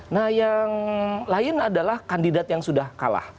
nah yang lain adalah kandidat yang sudah kalah